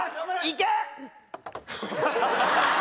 いけ！